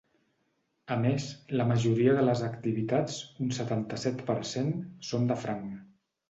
A més, la majoria de les activitats –un setanta-set per cent– són de franc.